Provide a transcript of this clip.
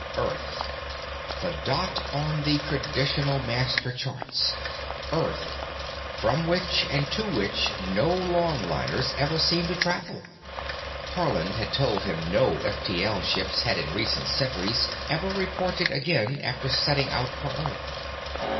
Earth—the dot on the traditional master charts, Earth—from which and to which no longliners ever seemed to travel. Haarland had told him no F T L ship had in recent centuries ever reported again after setting out for Earth.